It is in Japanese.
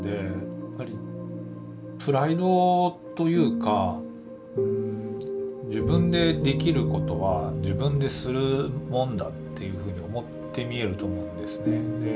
やっぱりプライドというか「自分でできることは自分でするもんだ」っていうふうに思ってみえると思うんですね。